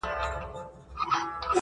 څنگه ټینگ به په خپل منځ کي عدالت کړو!.